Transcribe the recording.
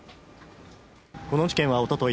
この事件はおととい